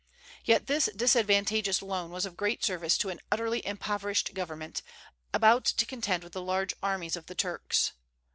Yet this disadvantageous loan was of great service to an utterly impoverished government, about to contend with the large armies of the Turks.